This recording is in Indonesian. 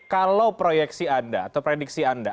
kalau proyeksi anda atau prediksi anda